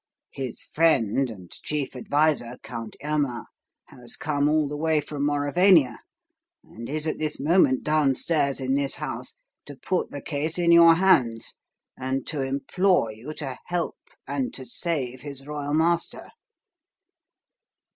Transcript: His friend and chief adviser, Count Irma, has come all the way from Mauravania, and is at this moment downstairs in this house, to put the case in your hands and to implore you to help and to save his royal master!"